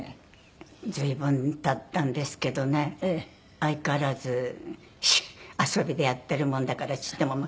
随分経ったんですけどね相変わらず遊びでやってるものだからちっとも。